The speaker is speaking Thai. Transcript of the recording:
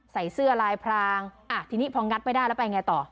ใส่เสื้อลายพรางทีนี้พองัดไม่ได้แล้วไปไงต่อ